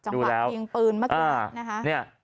จังหวัดยิงปืนเมื่อกี้